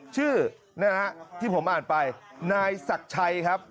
ชื่อนะฮะที่ผมอ่านไปนายศักดิ์ชัยครับ